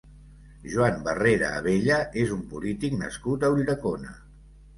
Juan Barrera Abella és un polític nascut a Ulldecona.